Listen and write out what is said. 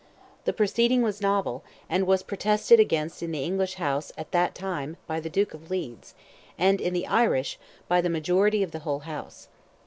The proceeding was novel, and was protested against in the English House at the time by the Duke of Leeds, and in the Irish, by the majority of the whole House.